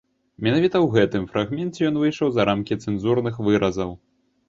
Менавіта ў гэтым фрагменце ён выйшаў за рамкі цэнзурных выразаў.